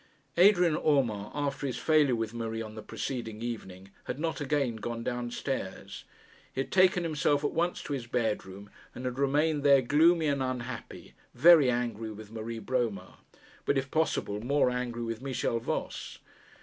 Adrian Urmand, after his failure with Marie on the preceding evening, had not again gone down stairs. He had taken himself at once to his bedroom, and had remained there gloomy and unhappy, very angry with Marie Bromar; but, if possible, more angry with Michel Voss.